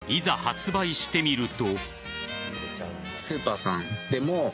ところがいざ、発売してみると。